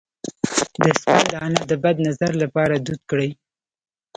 د سپند دانه د بد نظر لپاره دود کړئ